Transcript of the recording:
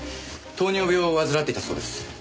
糖尿病を患っていたそうです。